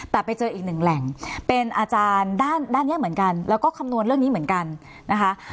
แต่ไปเจออีกหนึ่งแหล่งเป็นอาจารย์ด้านนี้เหมือนกันแล้วก็คำนวณเรื่องนี้เหมือนกันนะคะ